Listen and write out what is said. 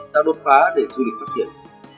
đang đốt phá để du lịch phát triển